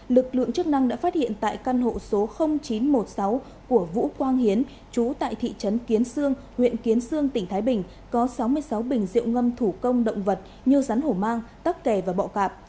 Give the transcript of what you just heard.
lực lượng chức năng đã phát hiện tại căn hộ số chín trăm một mươi sáu của vũ quang hiến chú tại thị trấn kiến sương huyện kiến sương tỉnh thái bình có sáu mươi sáu bình rượu ngâm thủ công động vật như rắn hổ mang tắc kè và bọ cạp